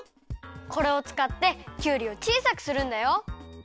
これをつかってきゅうりをちいさくするんだよ。